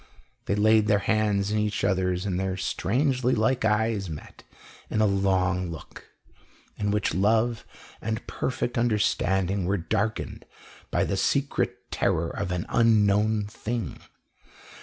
They laid their hands each in the other's, and their strangely like eyes met in a long look, in which love and perfect understanding were darkened by the secret terror of an unknown thing.